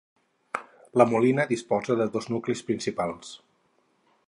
La Molina disposa de dos nuclis principals.